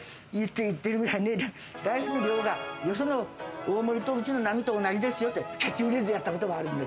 言ってるくらい、ライスの量がよその大盛りと、うちの並と同じですよというキャッチフレーズやったことがある。